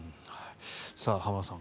浜田さん